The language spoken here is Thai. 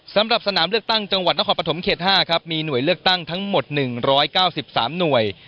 สำหรับสนามเลือกตั้งจังหวัดนครปฐมเขต๕ครับมีหน่วยเลือกตั้งทั้งหมด๑๙๓หน่วย